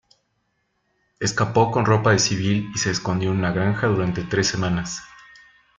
Escapó con ropa de civil y se escondió en una granja durante tres semanas.